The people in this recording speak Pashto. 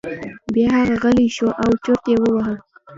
بیا هغه غلی شو او چرت یې وواهه.